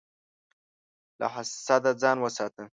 له حسده ځان وساته.